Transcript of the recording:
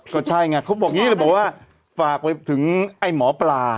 ก็ใช่ไงเขาบอกฝากไว้ถึงให้หมอปลา